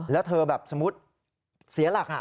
แล้วเธอแบบสมมุติเสียหลัก